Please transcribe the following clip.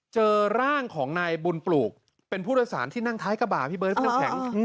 เจอร่างของนายบุญปลูกเป็นผู้โดยสารที่นั่งท้ายกระบะพี่เบิร์ดพี่น้ำแข็ง